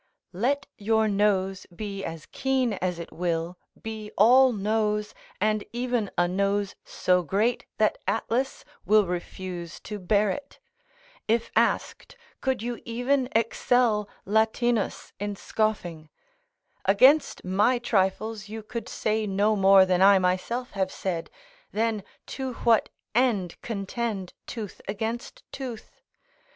["Let your nose be as keen as it will, be all nose, and even a nose so great that Atlas will refuse to bear it: if asked, Could you even excel Latinus in scoffing; against my trifles you could say no more than I myself have said: then to what end contend tooth against tooth?